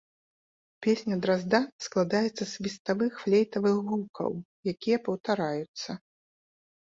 Песня дразда складаецца з свіставых флейтавых гукаў, якія паўтараюцца.